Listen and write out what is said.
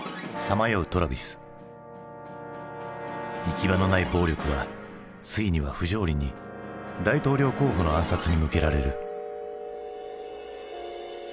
行き場のない暴力はついには不条理に大統領候補の暗殺に向けられる。